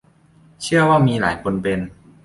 เชื่อว่ามีหลายคนเป็น